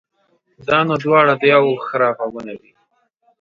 دا نو دواړه د يوه خره غوږونه دي.